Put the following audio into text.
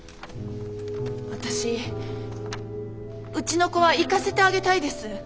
私うちの子は行かせてあげたいです。